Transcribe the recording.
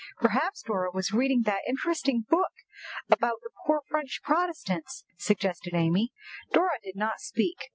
"Perhaps Dora was reading that interesting book about the poor French Protestants," suggested Amy. Dora did not speak.